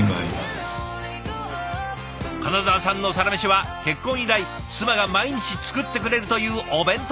金澤さんのサラメシは結婚以来妻が毎日作ってくれるというお弁当。